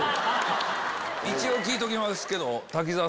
一応聞いときますけど。